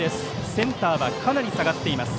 センターはかなり下がっています。